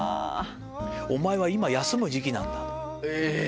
お前は今休む時期なんだ。